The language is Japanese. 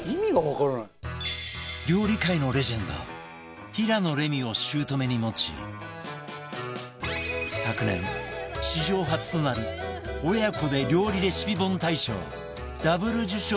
料理界のレジェンド平野レミを姑に持ち昨年史上初となる親子で料理レシピ本大賞 Ｗ 受賞の快挙を達成